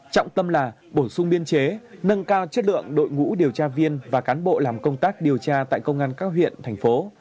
trọng tâm là bổ sung biên chế nâng cao chất lượng đội ngũ điều tra viên và cán bộ làm công tác điều tra tại công an các huyện thành phố